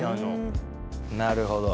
なるほど。